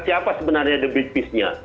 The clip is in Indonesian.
siapa sebenarnya the big fish nya